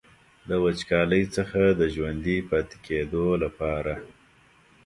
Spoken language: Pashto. د وچکالۍ څخه د ژوندي پاتې کیدو لپاره.